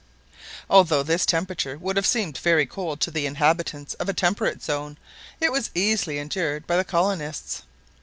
Although this temperature would have seemed very cold to the inhabitants of a temperate zone, it was easily endured by the colonists.